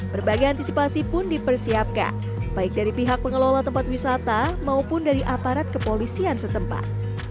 berbagai antisipasi pun dipersiapkan baik dari pihak pengelola tempat wisata maupun dari aparat kepolisian setempat